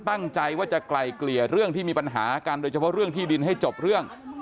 ตั้งใจว่าจะไกลเกลี่ยเรื่องที่มีปัญหากันโดยเฉพาะเรื่องที่ดินให้จบเรื่อง